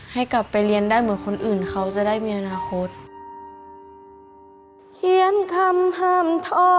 ให้กลับไปเรียนได้เหมือนคนอื่นเขาจะได้มีอนาคต